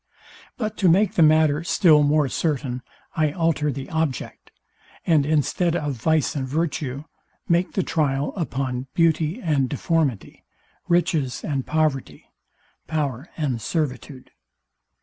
But to make the matter still more certain, I alter the object; and instead of vice and virtue, make the trial upon beauty and deformity, riches and poverty, power and servitude.